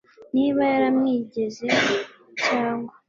niba yaramwigeze) cyangwa